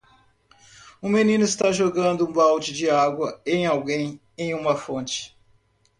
Um menino está jogando um balde de água em alguém em uma fonte.